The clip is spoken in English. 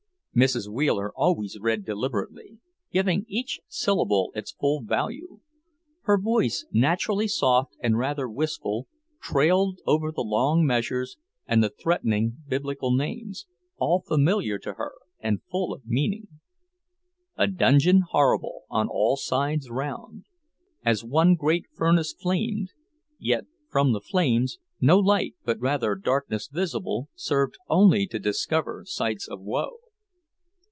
Mrs. Wheeler always read deliberately, giving each syllable its full value. Her voice, naturally soft and rather wistful, trailed over the long measures and the threatening Biblical names, all familiar to her and full of meaning. "A dungeon horrible, on all sides round As one great furnace flamed; yet from the flames No light, but rather darkness visible Served only to discover sights of woe."